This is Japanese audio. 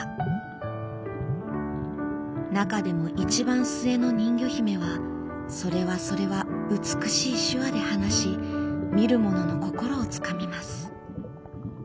中でも一番末の人魚姫はそれはそれは美しい手話で話し見る者の心をつかみます。